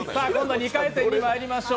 ２回戦にまいりましょう。